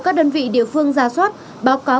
các đơn vị địa phương ra soát báo cáo